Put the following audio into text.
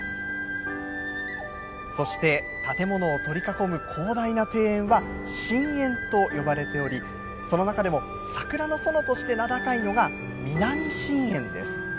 そして、建物を取り囲む広大な庭園は神苑と呼ばれており、その中でも桜の園として名高いのが南神苑です。